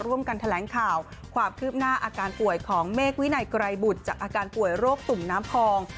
ร่วมกันแถลงข่าวความคืบหน้าอาการป่วยของเมฆวินัยไกรบุตรจากอาการป่วยโรคตุ่มน้ำพอง